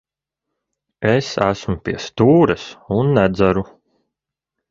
Es esmu pie stūres un nedzeru.